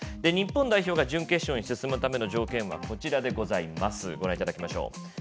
日本代表が準決勝に進むための条件はこちらでございますご覧いただきましょう。